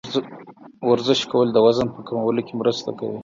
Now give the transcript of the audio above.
ورزش کول د وزن په کمولو کې مرسته کوي.